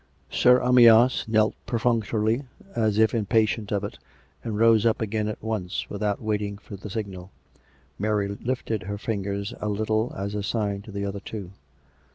Sir Amyas knelt perfunctorily, as if impatient of it; and rose up again at once without waiting for the signal. Mary lifted her fingers a little as a sign to the other two.